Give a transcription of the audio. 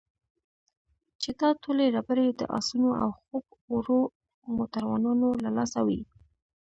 چې دا ټولې ربړې د اسونو او خوب وړو موټروانانو له لاسه وې.